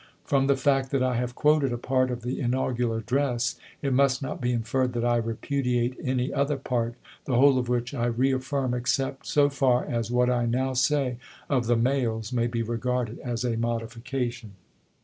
From the fact that I have quoted a part of the inaugural address, it must not be inferred that I repudiate Lincoln to any other part, the whole of which I reaffirm, except so ^'''flo'f gf' far as what I now say of the mails may be regarded as a ms. modification.